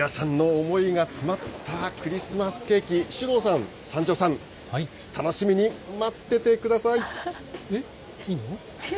皆さんの思いが詰まったクリスマスケーキ、首藤さん、三條さん、楽しみに待っててください。